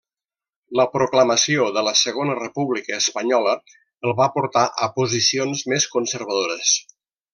La proclamació de la Segona República Espanyola el va portar a posicions més conservadores.